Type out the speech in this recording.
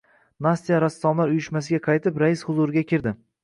Nastya Rassomlar uyushmasiga qaytib, rais huzuriga kirdi.